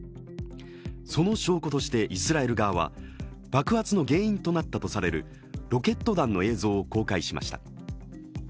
その証拠としてイスラエル側は爆発の原因となったとされるロケット弾の映像を公開しました。